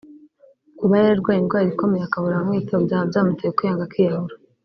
Kuba yararwaye indwara ikomeye akabura abamwitaho byaba byamuteye kwiyanga akiyahura”